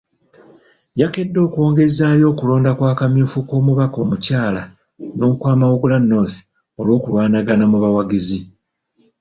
Yakedde kwongezaayo okulonda kwa kamyufu k'omubaka omukyala n'okwa Mawogola North olw'okulwanagana mu bawagizi.